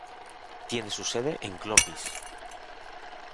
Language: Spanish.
Tiene su sede en Clovis.